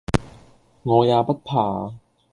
我也不怕；